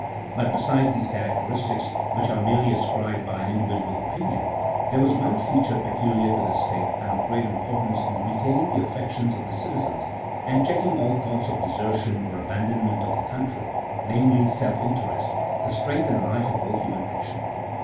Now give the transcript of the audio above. But besides these characteristics, which are merely ascribed by an in dividual opinion, there was one feature peculiar to this state and of great importance in retaining the affections of the citizens, and checking ail thoughts of desertion, or aban donment of the country : namely, self interest, the strength and life of all human action.